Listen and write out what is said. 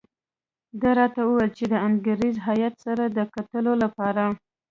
ده راته وویل چې د انګریزي هیات سره د کتلو لپاره.